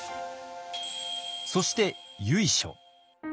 そして由緒。